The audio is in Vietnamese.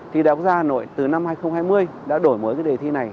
thì đại học gia hà nội từ năm hai nghìn hai mươi đã đổi mới cái đề thi này